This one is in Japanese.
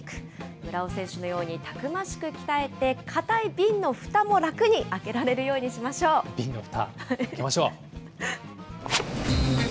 村尾選手のようにたくましく鍛えて、固い瓶のふたも楽に開けられ瓶のふた。